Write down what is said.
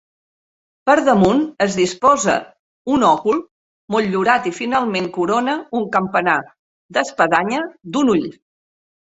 Per damunt es disposa un òcul motllurat i finalment corona un campanar d'espadanya d'un ull.